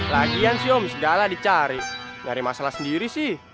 lagian sih om sedalah dicari tidak ada masalah sendiri sih